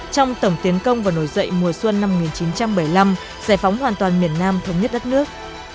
trong tổng tiến công và nổi dậy mùa xuân năm một nghìn chín trăm bảy mươi năm giải phóng hoàn toàn miền nam thống nhất đất nước